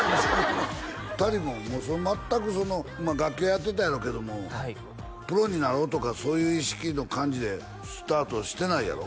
２人ももう全く楽器はやってたんやろうけどもはいプロになろうとかそういう意識の感じでスタートしてないやろ？